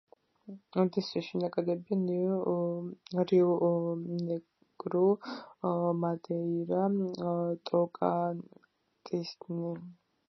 უდიდესი შენაკადებია რიუ-ნეგრუ, მადეირა, ტოკანტინსი.